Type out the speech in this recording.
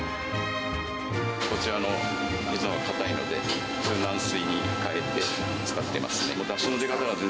こちらの水のほうが硬いので、軟水に変えて使っています。